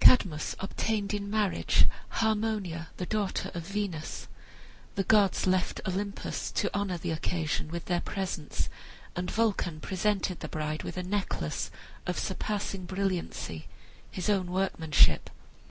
Cadmus obtained in marriage Harmonia, the daughter of Venus. The gods left Olympus to honor the occasion with their presence, and Vulcan presented the bride with a necklace of surpassing brilliancy, his own workmanship.